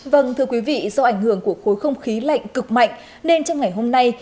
vâng thưa quý vị do ảnh hưởng của khối không khí lạnh cực mạnh nên trong ngày hôm nay